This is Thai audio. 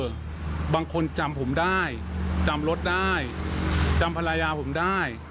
บางคนจำผมได้จำรถได้จำภรรยาผมได้